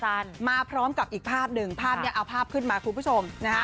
มาพร้อมกับอีกภาพหนึ่งภาพนี้เอาภาพขึ้นมาคุณผู้ชมนะฮะ